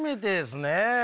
ねえ。